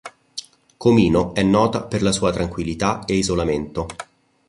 Comino è nota per la sua tranquillità e isolamento.